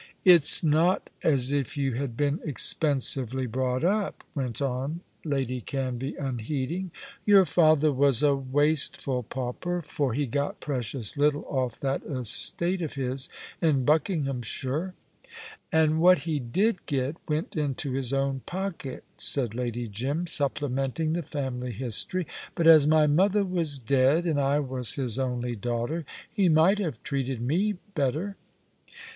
"It's not as if you had been expensively brought up," went on Lady Canvey, unheeding. "Your father was a wasteful pauper, for he got precious little off that estate of his in Buckinghamshire." "And what he did get went into his own pocket," said Lady Jim, supplementing the family history; "but as my mother was dead, and I was his only daughter, he might have treated me better."